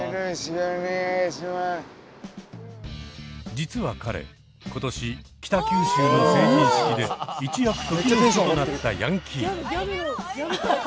実は彼今年北九州の成人式で一躍時の人となったヤンキー。